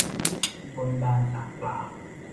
บนบานศาลกล่าว